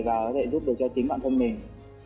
và có thể giúp được cho chính bản thân mình